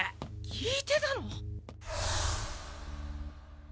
聞いてたの？